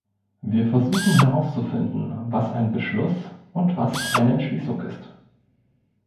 Wir versuchen herauszufinden, was ein Beschluss und was eine Entschließung ist.